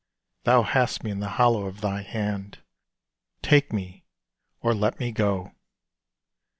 Thou hast me in the hollow of thy hand Take me or let me go!